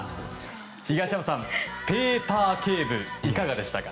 東山さん、ペーパー警部いかがでしたか？